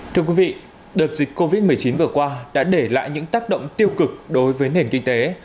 thưa quý vị đợt dịch covid một mươi chín vừa qua đã để lại những tác động tiêu cực đối với nền kinh tế